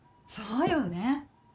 そうよね。